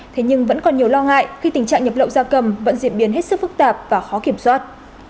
thế nhưng vẫn còn nhiều lo ngại khi tình trạng nhập lậu gia cầm vẫn diễn biến hết sức phức tạp và khó kiểm soát